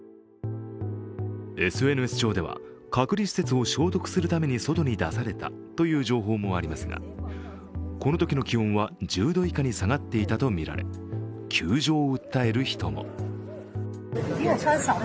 ＳＮＳ上では隔離施設を消毒するために外に出されたという情報もありますがこのときの気温は１０度以下に下がっていたとみられ窮状を訴える人も。